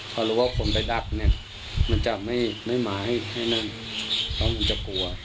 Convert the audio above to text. เพราะรู้ว่าคนไปดักเนี่ยมันจะไม่มาให้นั่นแล้วมันจะกลัว